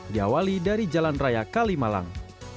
diawali dari jalan raya kalimalang